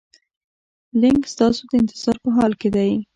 لینک ستاسو د انتظار په حال کې دی.